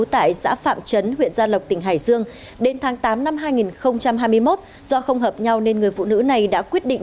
tại xã phạm trấn huyện gia lộc tỉnh hải dương đến tháng tám năm hai nghìn hai mươi một do không hợp nhau nên người phụ nữ này đã quyết định